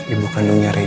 ibu kandungnya reyna